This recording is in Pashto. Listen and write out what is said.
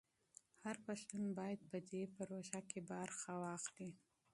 هر پښتون باید په دې پروژه کې برخه واخلي.